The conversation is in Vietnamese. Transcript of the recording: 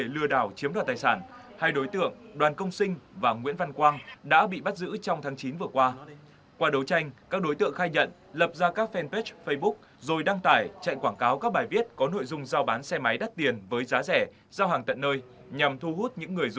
lừa đảo chiếm đoạt tài sản qua mạng xã hội dưới hình thức mua bán xe máy giá rẻ bị thu giữ